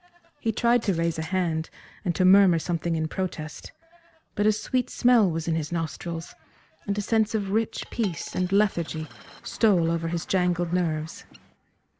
He tried to raise a hand and to murmur something in protest, but a sweet smell was in his nostrils, and a sense of rich peace and lethargy stole over his jangled nerves.